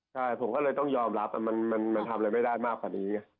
ใช่ผมก็เลยต้องยอมรับมันทำอะไรไม่ได้มากกว่านี้